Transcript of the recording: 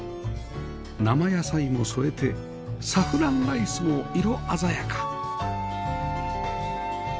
生野菜も添えてサフランライスも色鮮やか